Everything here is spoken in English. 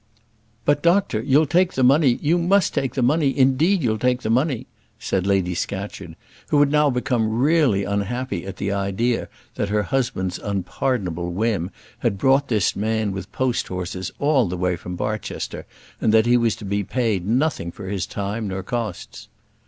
"But, doctor, you'll take the money; you must take the money; indeed you'll take the money," said Lady Scatcherd, who had now become really unhappy at the idea that her husband's unpardonable whim had brought this man with post horses all the way from Barchester, and that he was to be paid nothing for his time nor costs.